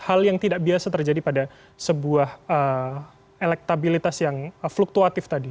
hal yang tidak biasa terjadi pada sebuah elektabilitas yang fluktuatif tadi